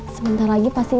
sebentar lagi pastinya